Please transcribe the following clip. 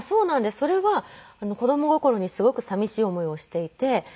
それは子供心にすごくさみしい思いをしていて。